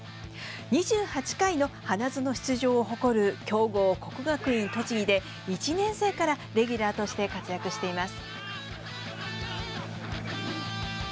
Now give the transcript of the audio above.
２８回の花園出場を誇る強豪・国学院栃木で１年生からレギュラーとして活躍しています。